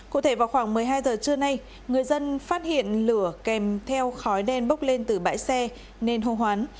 cụ thể vào khoảng một mươi hai giờ trưa nay người dân phát hiện lửa kèm theo khói đen bốc lên từ bãi xe nên hô hoán